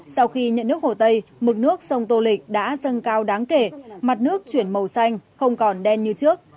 sau khi nhận nước hồ tây mực nước sông tô lịch đã dâng cao đáng kể mặt nước chuyển màu xanh không còn đen như trước